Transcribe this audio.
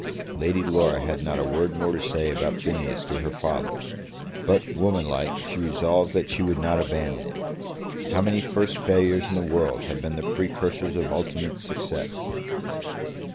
Lady Laura had not a word more to say about Phineas to her father; but, womanlike, she resolved that she would not abandon him. How many first failures in the world had been the precursors of ultimate success!